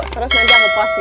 terus nanti aku post ya